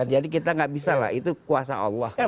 jadi kita nggak bisa lah itu kuasa allah